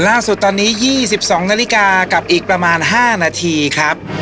ล่าสุดตอนนี้๒๒นาฬิกากับอีกประมาณ๕นาทีครับ